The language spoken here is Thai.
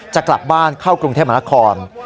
จะกลับบ้านเข้ากรุงเทพมนาคม